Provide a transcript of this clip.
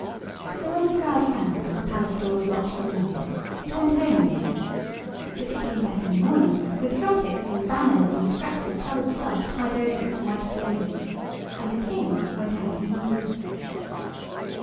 So when the crowd found that the Palace door was locked for the night it went home again, but it came back in the morning with trumpets and banners and scraps of coloured stuff tied over its white clothing, and the King went out to meet it.